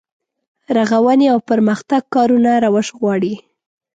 رغونې او پرمختګ کارونه روش غواړي.